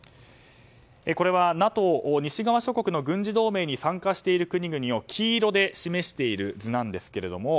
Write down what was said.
これはＮＡＴＯ、西側諸国の軍事同盟に参加している国々を黄色で示している図です。